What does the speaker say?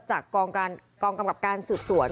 จากกองกำกับการสืบสวน